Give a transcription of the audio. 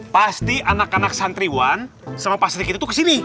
pasti anak anak santriwan sama pak sergitir tuh kesini